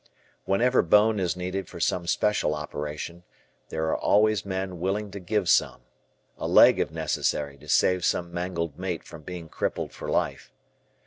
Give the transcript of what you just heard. Whenever bone is needed for some special operation, there are always men willing to give some, a leg if necessary to save some mangled mate from being crippled for life.